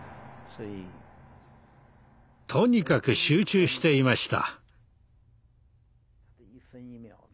とにかく集中していました。